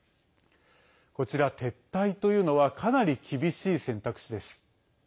こちら、撤退というのはかなり厳しい選択肢です。